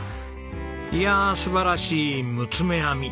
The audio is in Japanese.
いやあ素晴らしい六つ目編み！